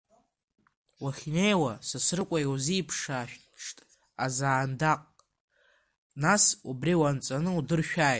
Уахьнеиуа Сасрыҟәа иузиԥшаашт азаандаҟ, нас убри уанҵаны удыршәааит.